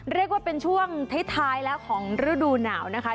เรียกว่าเป็นช่วงท้ายท้ายแล้วของฤดูหนาว